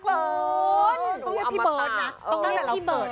ก็เรียกพี่เบิ้ดน้ะ